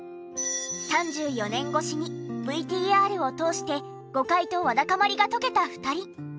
３４年越しにＶＴＲを通して誤解とわだかまりが解けた２人。